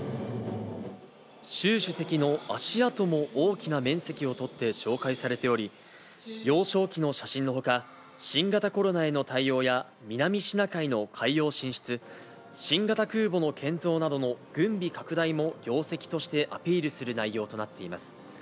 習主席の足跡も大きな面積を取って紹介されており、幼少期の写真のほか、新型コロナへの対応や、南シナ海の海洋進出、新型空母の建造などの軍備拡大も業績としてアピールする内容となっています。